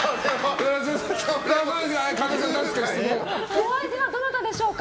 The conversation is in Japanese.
お相手はどなたでしょうか？